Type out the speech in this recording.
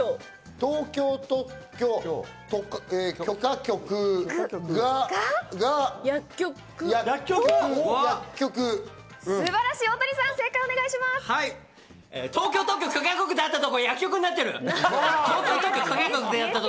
東京特許許可局だったとこ薬局になってる。